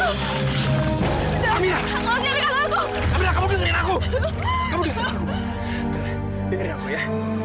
dengar dengerin aku ya